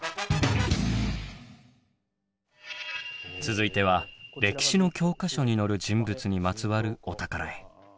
続いては歴史の教科書に載る人物にまつわるお宝へ。